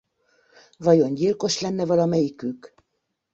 Vajon gyilkos lenne valamelyikük?